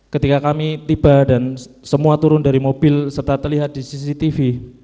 ketika kami tiba dan semua turun dari mobil serta terlihat di cctv